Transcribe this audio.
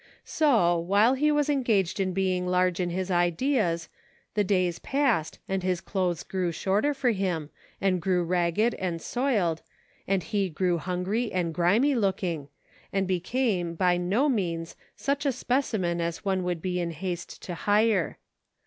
So, while he was engaged in being large in his ideas, the days passed, and his clothes grew shorter for him, and grew ragged and soiled, and he grew hungry and grimy looking, and became, by no means, such a specimen as one would be in haste to hire.